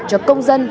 cho công dân